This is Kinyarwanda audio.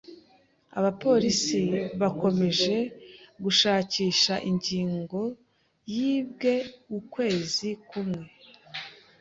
Abapolisi bakomeje gushakisha ingingo yibwe ukwezi kumwe.